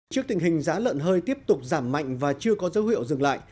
trước tình hình giá lợn hơi tiếp tục giảm mạnh và chưa có dấu hiệu dừng lại